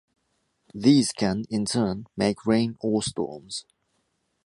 These can, in turn, make rain or storms.